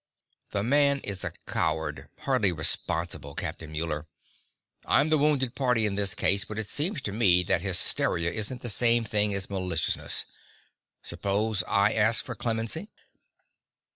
"The man is a coward, hardly responsible, Captain Muller. I'm the wounded party in this case, but it seems to me that hysteria isn't the same thing as maliciousness. Suppose I ask for clemency?"